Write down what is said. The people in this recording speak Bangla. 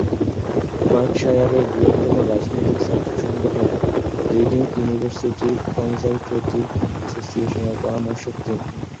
বার্কশায়ারের বৃহত্তম রাজনৈতিক ছাত্র সংগঠন রিডিং ইউনিভার্সিটি কনজারভেটিভ অ্যাসোসিয়েশনের পরামর্শক তিনি।